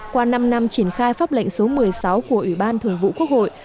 qua năm năm triển khai pháp lệnh số một mươi sáu của ủy ban thường vụ quốc hội